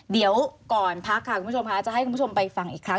เดี๋ยวก่อนพักค่ะคุณผู้ชมค่ะจะให้คุณผู้ชมไปฟังอีกครั้ง